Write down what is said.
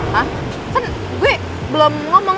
hah kan gue belum ngomong